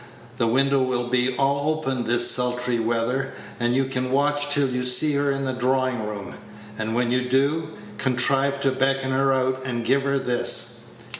The windows will all be open this sultry weather, and you can watch till you see her in the drawing room; and when you do, contrive to beckon her out, and give her this."